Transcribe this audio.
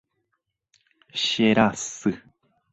Cherasy.